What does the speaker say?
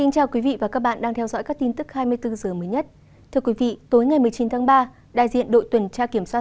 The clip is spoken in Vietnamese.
các bạn hãy đăng ký kênh để ủng hộ kênh của chúng mình nhé